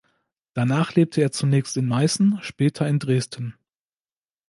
Danach lebte er zunächst in Meißen, später in Dresden.